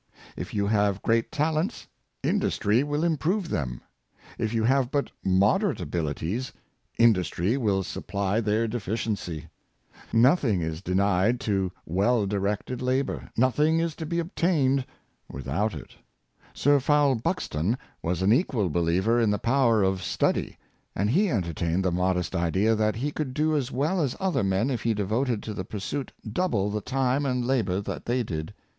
" If you have great talents, industry will improve them; if you have but moderate abilities, industry will supply their deficiency. Nothing is denied to well directed labor; Thoroughness and Accuracy, 29^ nothing is to be obtained without it." Sir Fowell Bux ton was an equal believer in the power of study; and he entertained the modest idea that he could do as well as other men if he devoted to the pursuit double the time and labor that they did.